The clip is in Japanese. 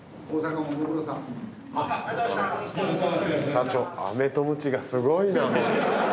社長アメとムチがすごいな。